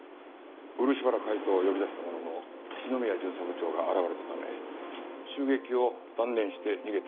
漆原海斗を呼び出したものの篠宮巡査部長が現れたため襲撃を断念して逃げた。